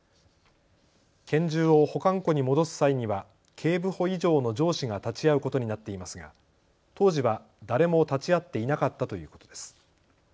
拳銃を保管庫に戻す際には警部補以上の上司が立ち会うことになっていますが当時は誰も立ち会っていなかったということです。